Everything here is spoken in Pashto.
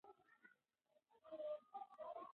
ته ولې زما په ساده پلانونو باندې بې ځایه نیوکې کوې؟